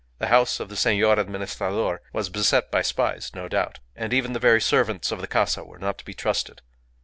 The house of the Senor Administrador was beset by spies, no doubt. And even the very servants of the casa were not to be trusted.